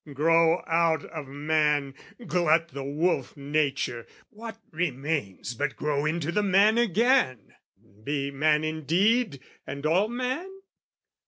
Grow out of man, Glut the wolf nature, what remains but grow Into the man again, be man indeed And all man?